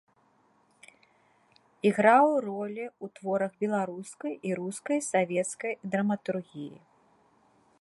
Іграў ролі ў творах беларускай і рускай савецкай драматургіі.